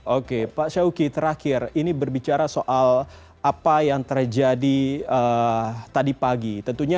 oke pak syawki terakhir ini berbicara soal apa yang terjadi tadi pagi